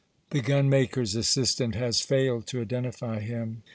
The gun makers' assistant has failed to identify him.